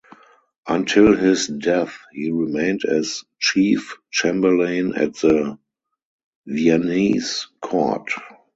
Until his death he remained as Chief Chamberlain at the Viennese court.